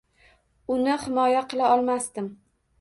Uni himoya qila olmasdim.